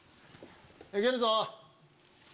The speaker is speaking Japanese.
行けるぞ！